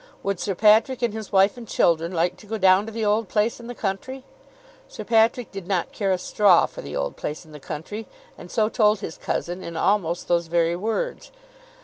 Would Sir Patrick and his wife and children like to go down to the old place in the country? Sir Patrick did not care a straw for the old place in the country, and so told his cousin in almost those very words.